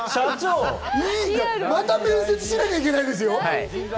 また面接しなきゃいけないですよ。